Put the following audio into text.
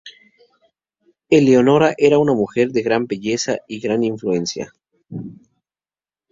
Eleonora era una mujer de gran belleza y de gran influencia.